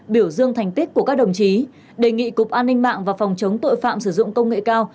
biểu dương thành tích của các đồng chí đề nghị cục an ninh mạng và phòng chống tội phạm sử dụng công nghệ cao